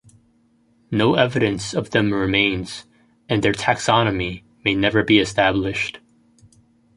No evidence of them remains, and their taxonomy may never be established.